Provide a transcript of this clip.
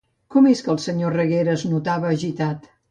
Com és que el senyor Reguera es notava agitat?